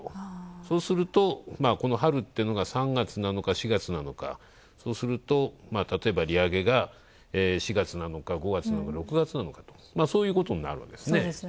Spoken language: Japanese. そうすると、この春というのが３月なのか４月なのか、そうすると、利上げが４月なのか５月なのか、６月なのかそういうことになるんですね。